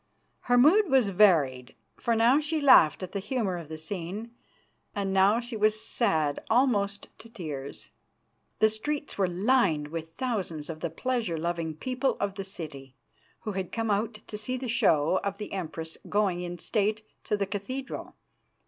Her mood was varied, for now she laughed at the humour of the scene, and now she was sad almost to tears. The streets were lined with thousands of the pleasure loving people of the city, who had come out to see the show of the Empress going in state to the cathedral.